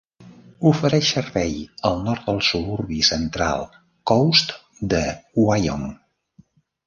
Ofereix servei al nord del suburbi Central Coast de Wyong.